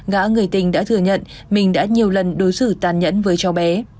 gã người tình đã thừa nhận mình đã nhiều lần đối xử tàn nhẫn với cháu bé